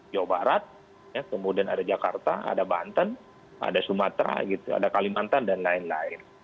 jawa barat kemudian ada jakarta ada banten ada sumatera ada kalimantan dan lain lain